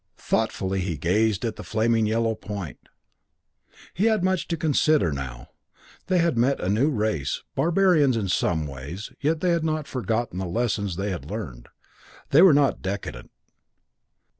Thoughtfully he gazed at the flaming yellow point. He had much to consider now. They had met a new race, barbarians in some ways, yet they had not forgotten the lessons they had learned; they were not decadent.